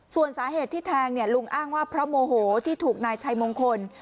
ส่วนสาเหตุที่แทงลุงอ้างว่าเพราะโมโหที่ถูกนายชัยมงคล